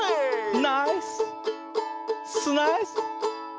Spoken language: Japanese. ナイススナイス！